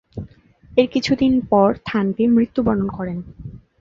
এর কিছুদিন পর থানভী মৃত্যুবরণ করেন।